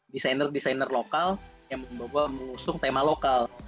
desainer desainer lokal yang mengusung tema lokal